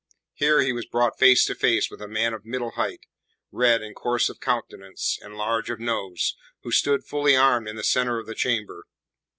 Here he was brought face to face with a man of middle height, red and coarse of countenance and large of nose, who stood fully armed in the centre of the chamber.